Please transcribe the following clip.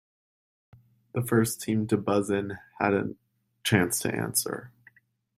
The first team to buzz-in had a chance to answer.